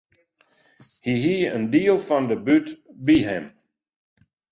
Hy hie in diel fan de bút by him.